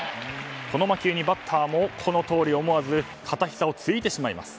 この魔球にバッターもこのとおり思わず片ひざをついてしまいます。